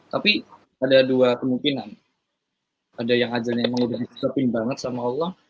tapi ada dua kemungkinan ada yang ajalnya memang udah terpimpin banget sama allah